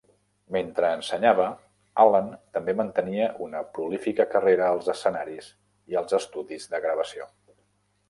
Mentre ensenyava, Alan també mantenia una prolífica carrera als escenaris i als estudis de gravació.